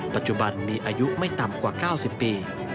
ปัจจุบันมีอายุไม่ต่ำกว่า๙๐ปี